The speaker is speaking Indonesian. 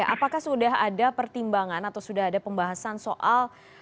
apakah sudah ada pertimbangan atau sudah ada pembahasan soal